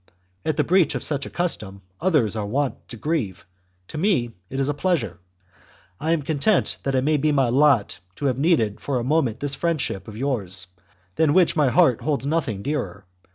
At the breach of such a custom others are wont to grieve, THE JUGURTHINE WAR. 243 to me it is a pleasure ; I am content that it may be ^hap. my lot to have needed for a moment this friendship of yours, than which my heart holds nothing dearer.